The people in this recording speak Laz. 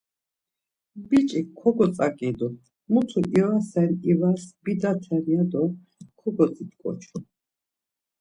Biç̌ik kogotzaǩidu, mutu ivasen ivas bidaten ya do kogotzit̆ǩoçu.